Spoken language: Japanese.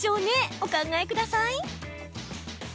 お考えください。